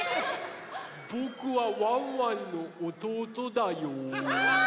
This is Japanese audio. ぼくはワンワンのおとうとだよ。